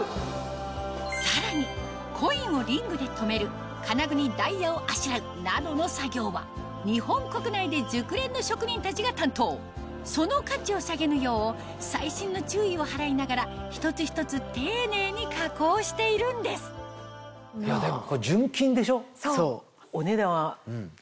さらにコインをリングで留める金具にダイヤをあしらうなどの作業はその価値を下げぬよう細心の注意を払いながら一つ一つ丁寧に加工しているんです「はい」ですか？